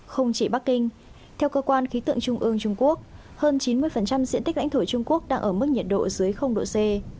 không chỉ bắc kinh theo cơ quan khí tượng trung ương trung quốc hơn chín mươi diện tích lãnh thổ trung quốc đang ở mức nhiệt độ dưới độ c